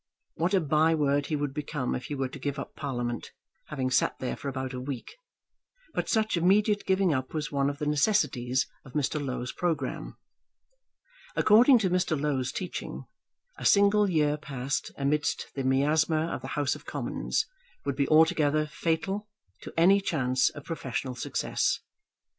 What a by word he would become if he were to give up Parliament, having sat there for about a week! But such immediate giving up was one of the necessities of Mr. Low's programme. According to Mr. Low's teaching, a single year passed amidst the miasma of the House of Commons would be altogether fatal to any chance of professional success.